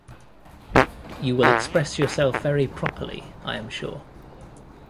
You will express yourself very properly, I am sure.